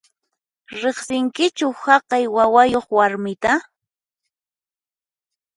Riqsinkichu haqay wawayuq warmita?